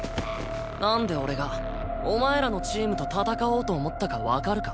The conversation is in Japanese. なんで俺がお前らのチームと戦おうと思ったかわかるか？